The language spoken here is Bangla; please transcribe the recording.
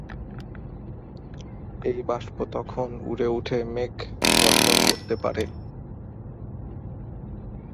এই বাষ্প তখন উপরে উঠে মেঘ গঠন করতে পারে।